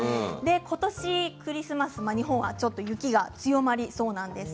今年クリスマス、日本はちょっと雪が強まりそうなんです。